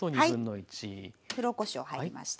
黒こしょう入りました。